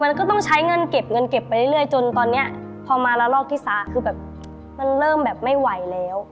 มันก็ต้องใช้เงินเก็บเงินเก็บไปเรื่อยจนตอนนี้พอมาละลอกที่สามคือแบบมันเริ่มแบบไม่ไหวแล้ว